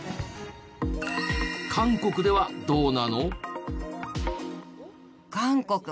韓国ではどうなの？